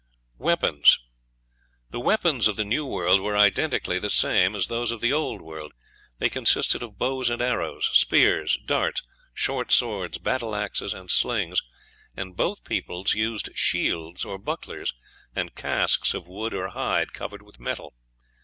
Weapons. The weapons of the New World were identically the same as those of the Old World; they consisted of bows and arrows, spears, darts, short swords, battle axes, and slings; and both peoples used shields or bucklers, and casques of wood or hide covered with metal.